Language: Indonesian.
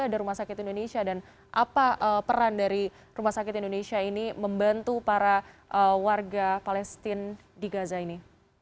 ada rumah sakit indonesia dan apa peran dari rumah sakit indonesia ini membantu para warga palestine di gaza ini